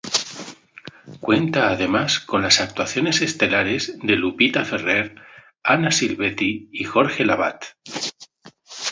Cuenta además con las actuaciones estelares de Lupita Ferrer, Anna Silvetti y Jorge Lavat.